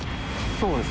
そうです